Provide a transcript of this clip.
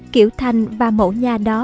kiểu thành và mẫu nhà đó